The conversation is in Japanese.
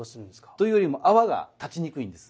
というよりも泡が立ちにくいんです。